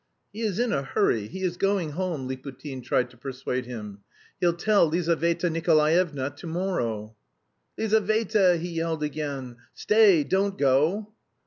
"He is in a hurry, he is going home!" Liputin tried to persuade him. "He'll tell Lizaveta Nikolaevna to morrow." "Lizaveta!" he yelled again. "Stay, don't go!